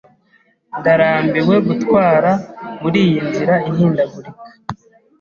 Ndarambiwe gutwara muri iyi nzira ihindagurika.